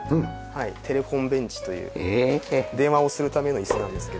テレフォンベンチという電話をするための椅子なんですけど。